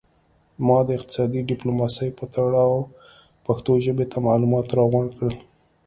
ما د اقتصادي ډیپلوماسي په تړاو پښتو ژبې ته معلومات را غونډ کړل